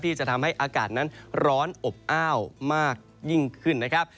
ที่จะทำให้อากาศนั้นร้อนอบอ้าวมากยิ่งขึ้นนะครับ